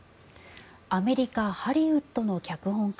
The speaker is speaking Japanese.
アメリカ・ハリウッドの脚本家